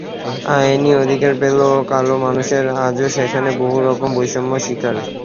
আইনি অধিকার পেলেও কালো মানুষেরা আজও সেখানে বহু রকম বৈষম্যের শিকার।